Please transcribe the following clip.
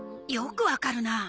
よくわかるな。